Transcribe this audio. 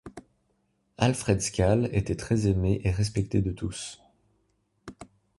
Alfred Scales était très aimé et respecté de tous.